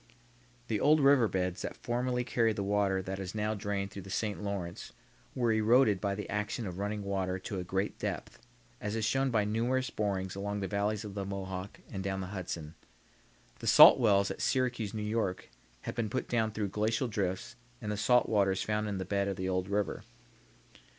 The old river beds that formerly carried the water that is now drained through the St. Lawrence were eroded by the action of running water to a great depth, as is shown by numerous borings along the valley of the Mohawk and down the Hudson. The salt wells at Syracuse, N. Y., have been put down through glacial drifts and the salt water is found in the bed of the old river.